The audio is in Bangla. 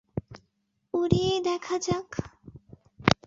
উড়িয়েই দেখা যাক।